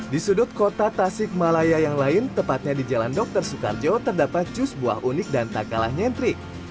di sudut kota tasik malaya yang lain tepatnya di jalan dr soekarjo terdapat jus buah unik dan tak kalah nyentrik